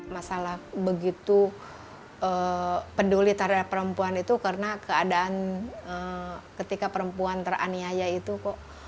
masalah begitu peduli terhadap perempuan itu karena keadaan ketika perempuan teraniaya itu kok